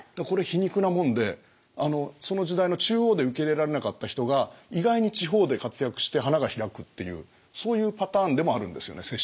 これ皮肉なもんでその時代の中央で受け入れられなかった人が意外に地方で活躍して花が開くっていうそういうパターンでもあるんですよね